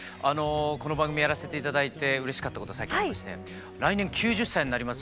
この番組やらせて頂いてうれしかったこと最近ありまして来年９０歳になります